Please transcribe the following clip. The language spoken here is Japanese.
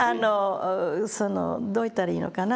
どう言ったらいいのかな